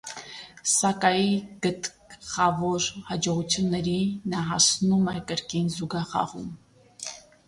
Սակայի գքխավոր հաջողությունների նա հասնում է կրկին զուգախաղում։